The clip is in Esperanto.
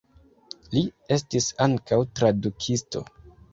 Li estis ankaŭ tradukisto.